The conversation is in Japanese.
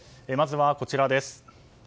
まずはこちらです。